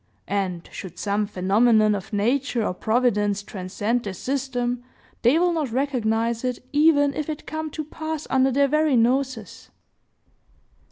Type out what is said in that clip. And, should some phenomenon of nature or providence transcend their system, they will not recognize it, even if it come to pass under their very noses.